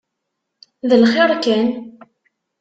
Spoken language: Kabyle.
D lxiṛ kan?